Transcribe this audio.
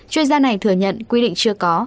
chuyên gia này thừa nhận quy định chưa có